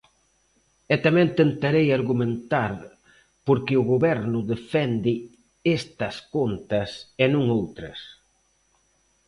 E tamén tentarei argumentar por que o Goberno defende estas contas e non outras.